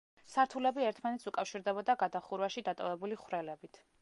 სართულები ერთმანეთს უკავშირდებოდა გადახურვაში დატოვებული ხვრელებით.